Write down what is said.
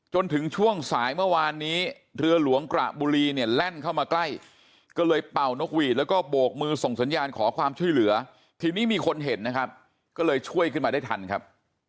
จนถึงช่วงสายเมื่อวานนี้เรือหลวงกระบุรีเนี่ยแล่นเข้ามาใกล้ก็เลยเป่านกหวีดแล้วก็โบกมือส่งสัญญาณขอความช่วยเหลือทีนี้มีคนเห็นนะครับก็เลยช่วยขึ้นมาได้ทันครับ